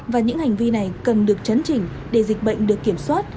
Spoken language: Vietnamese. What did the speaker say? và những hành vi này cần được chấn chỉnh để dịch bệnh được kiểm soát